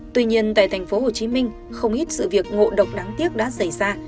tuy nhiên tại tp hcm không ít sự việc ngộ độc đáng tiếc đã xảy ra